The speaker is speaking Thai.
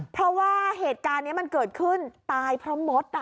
เพราะว่าเหตุการณ์นี้มันเกิดขึ้นตายเพราะมด